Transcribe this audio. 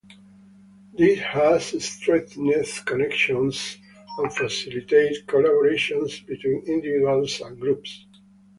This has strengthened connections and facilitated collaborations between individuals and groups.